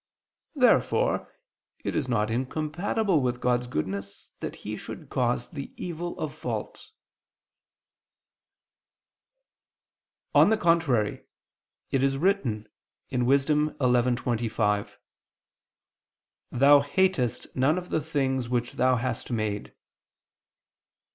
Therefore it is not incompatible with God's goodness that He should cause the evil of fault. On the contrary, It is written (Wis. 11:25): "Thou ... hatest none of the things which Thou hast made."